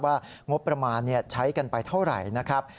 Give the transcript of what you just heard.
ว่างบประมาณใช้กันไปเท่าไหร่นะครับ